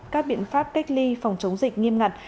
các biện pháp cách ly phòng chống dịch nghiêm ngặt